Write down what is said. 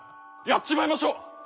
やっちまいましょう！